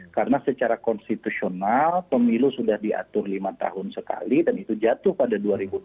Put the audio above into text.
karena secara konstitusional pemilu sudah diatur lima tahun sekali dan itu jatuh pada dua ribu dua puluh empat